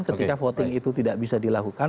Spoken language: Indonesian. ketika voting itu tidak bisa dilakukan